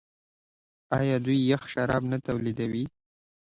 آیا دوی یخ شراب نه تولیدوي؟